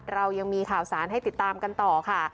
เรายังมีข่าวสารให้ติดตามกันต่อค่ะ